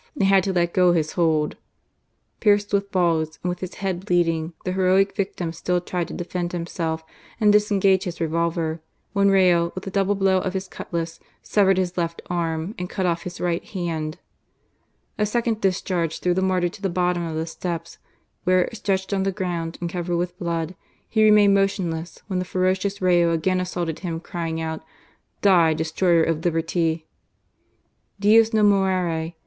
and had to let go his hold. Pierced with balls, and with his head bleeding, the heroic victim still tried to defend himself and disengage his revolver, when Rayo, with a double blow of his cutlass, severed his left arm, and cut off his right hand. A second discharge threw the martyr to the bottom of the steps, where, stretched on the {ground, and covered with blood, he remained motionless, when the ferocious Rayo again assailed him, crying out, "Die, destroyer of liberty !"" Dtos no mitcrc !